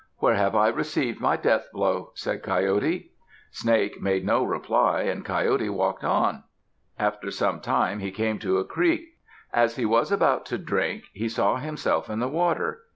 Where have I received my death blow?" said Coyote. Snake made no reply and Coyote walked on. After some time he came to a creek. As he was about to drink, he saw himself in the water.